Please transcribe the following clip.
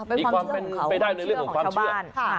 มีความเป็นไปได้ในเรื่องของความเชื่อ